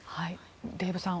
デーブさん